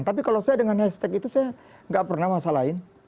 tapi kalau saya dengan hashtag itu saya nggak pernah masalahin